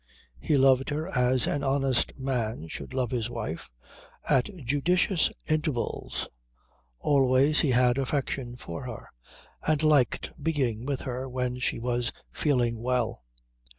He loved her as an honest man should love his wife at judicious intervals. Always he had affection for her, and liked being with her when she was feeling well.